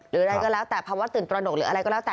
หรืออะไรก็แล้วแต่ภาวะตื่นตระหนกหรืออะไรก็แล้วแต่